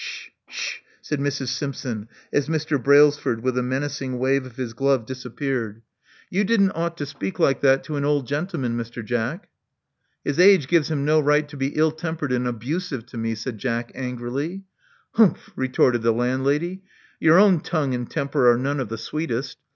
Sh — sh," said Mrs. Simpson, as Mr. Brailsford, with a menacing wave of his glove, disappeared. Love Among the Artists 143 You didn't ought to speak like that to an old gentle man, Mr. Jack." His age gives him no right to be ill tempered and abusive to me/* said Jack angrily. "Humph!*' retorted the landlady. Your own tongue and temper are none of the sweetest.